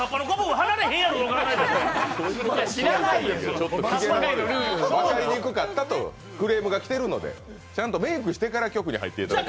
ちょっと分かりにくかったとクレームが来てるのでちゃんとメークしてから局に入っていただきたい。